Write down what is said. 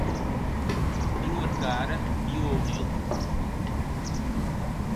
Diuen que ara viu a Onil.